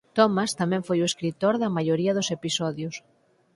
Thomas tamén foi o escritor da maioría dos episodios.